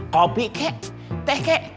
kopi kek teh kek